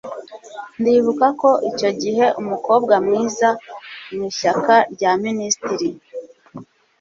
ndibuka ko icyo gihe umukobwa mwiza mu ishyaka rya minisitiri